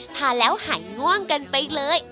ทานแล้วหายง่วงกันไปเลย